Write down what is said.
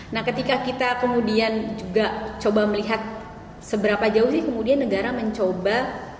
nah ketika kita kemudian juga coba melihat seberapa jauh sih kemudian negara mencoba